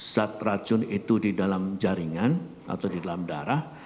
zat racun itu di dalam jaringan atau di dalam darah